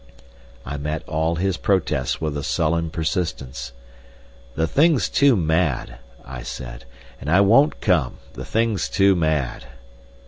I met all his protests with a sullen persistence. "The thing's too mad," I said, "and I won't come. The thing's too mad."